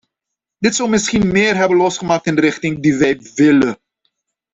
Dat zou misschien meer hebben losgemaakt in de richting die wij willen.